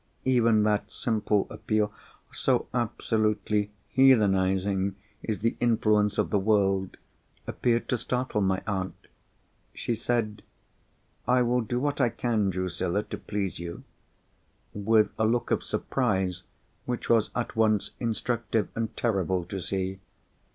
'" Even that simple appeal—so absolutely heathenising is the influence of the world—appeared to startle my aunt. She said, "I will do what I can, Drusilla, to please you," with a look of surprise, which was at once instructive and terrible to see.